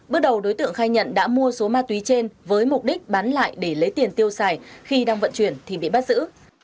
bước đầu đối tượng khai nhận đã mua số ma túy trên với mục đích bán lại để lấy tiền tiêu xài khi đang vận chuyển thì bị bắt giữ